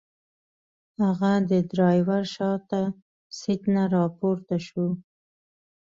هغه د ډرایور شاته سیټ نه راپورته شو.